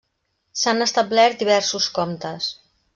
S'han establert diversos comptes.